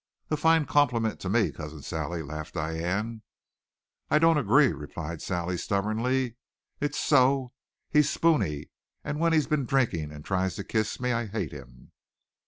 "A fine compliment to me, Cousin Sally," laughed Diane. "I don't agree," replied Sally stubbornly. "It's so. He's spoony. And when he's been drinking and tries to kiss me, I hate him."